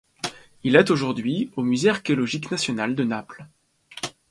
Il est aujourd'hui au Musée archéologique national de Naples.